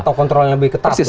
atau kontrolnya lebih ketat